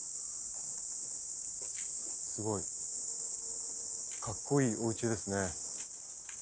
すごい。カッコいいおうちですね。